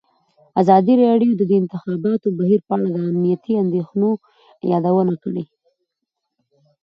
ازادي راډیو د د انتخاباتو بهیر په اړه د امنیتي اندېښنو یادونه کړې.